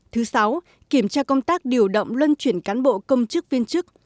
thứ sáu kiểm tra công tác điều động luân chuyển cán bộ công chức viên chức